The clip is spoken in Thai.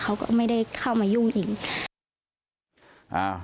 เขาก็ไม่ได้เข้ามายุ่งอีก